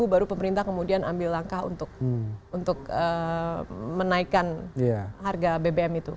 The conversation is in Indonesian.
baru pemerintah kemudian ambil langkah untuk menaikkan harga bbm itu